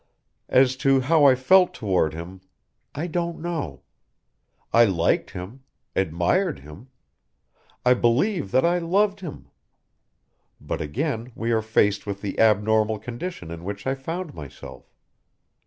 "As to how I felt toward him: I don't know. I liked him admired him. I believe that I loved him. But again we are faced with the abnormal condition in which I found myself.